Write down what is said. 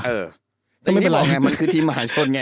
เออแต่นี่บอกไงมันคือทีมมหาชนไง